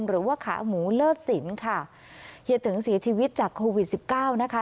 หรือว่าขาหมูเลิศสินค่ะเฮียตึงเสียชีวิตจากโควิดสิบเก้านะคะ